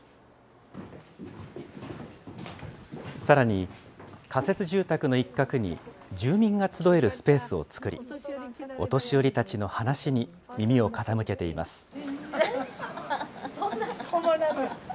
さらに、仮設住宅の一角に住民が集えるスペースを作り、お年寄りたちの話に耳を傾けています。